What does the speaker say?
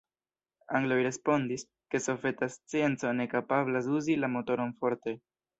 Angloj respondis, ke soveta scienco ne kapablas uzi la motoron forte.